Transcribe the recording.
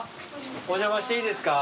お邪魔していいですか？